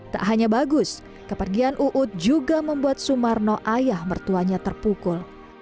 tak hanya bagus kepergian uud juga membuat sumarno ayah mertuanya terpukul